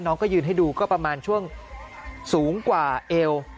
ก็ยืนให้ดูก็ประมาณช่วงสูงกว่าเอว